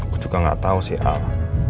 gue juga gak tau sih al